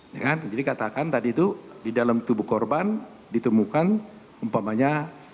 ya kan jadi katakan tadi itu di dalam tubuh korban ditemukan umpamanya